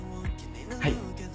はい。